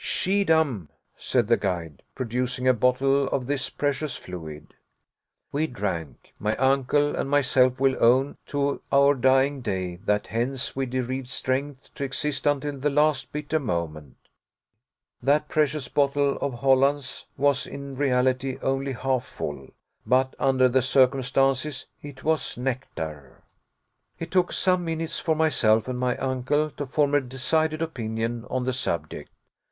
"Schiedam," said the guide, producing a bottle of this precious fluid. We drank. My uncle and myself will own to our dying day that hence we derived strength to exist until the last bitter moment. That precious bottle of Hollands was in reality only half full; but, under the circumstances, it was nectar. It took some minutes for myself and my uncle to form a decided opinion on the subject.